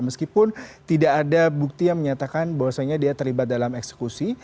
meskipun tidak ada bukti yang menyatakan bahwasannya dia terlibat dalam eksekusi